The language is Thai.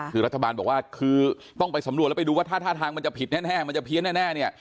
คือรัฐบาลบอกว่าคือต้องไปสำรวจแล้วไปดูว่าถ้าท่าทางมันจะผิดแน่มันจะเพี้ยนแน่เนี่ย